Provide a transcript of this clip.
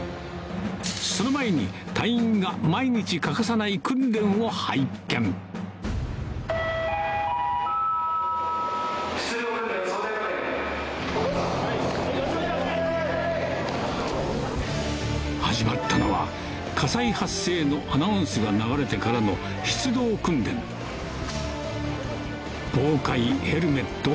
その前に隊員が毎日欠かさない訓練を拝見始まったのは火災発生のアナウンスが流れてからの出場訓練防火衣ヘルメット